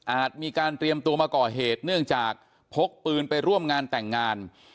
มีการเตรียมตัวมาก่อเหตุเนื่องจากพกปืนไปร่วมงานแต่งงาน